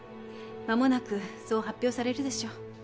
まもなくそう発表されるでしょう。